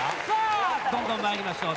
どんどん参りましょう。